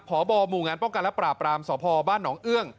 พบหมู่งานป้องกันและปราบรามสพบ้านหนองเอื้อง